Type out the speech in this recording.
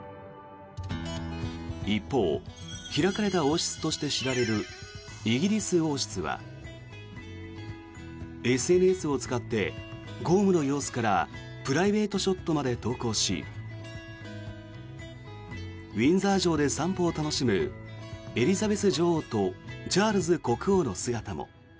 一方開かれた王室として知られるイギリス王室はＳＮＳを使って、公務の様子からプライベートショットまで投稿しウィンザー城で散歩を楽しむエリザベス女王とチャールズ国王の姿も。